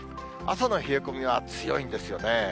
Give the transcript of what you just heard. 朝の冷え込みは強いんですよね。